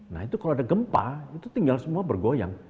nah itu kalau ada gempa itu tinggal semua bergoyang